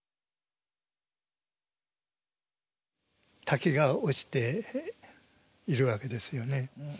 滝が落ちているわけですよね。